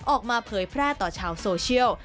ออกมาเพยรไพร่ต่อชาวโซเชียล